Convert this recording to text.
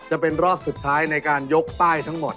จะเป็นรอบสุดท้ายในการยกป้ายทั้งหมด